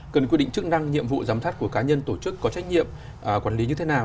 cần quy định chức năng nhiệm vụ giám sát của cá nhân tổ chức có trách nhiệm quản lý như thế nào